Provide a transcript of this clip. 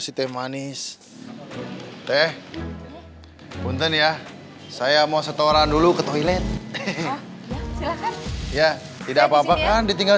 site manis teh punten ya saya mau setoran dulu ke toilet ya tidak apa apa kan ditinggal